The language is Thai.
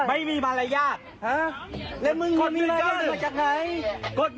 ไม่มีบรรยายากแล้วมึงมีล่ายิ้มมาจากไหนกด๑๙๑